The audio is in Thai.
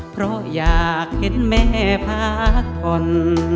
เพราะอยากเห็นแม่พักผ่อน